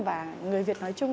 và người việt nói chung